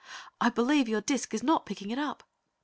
"I believe your disc is not picking it up."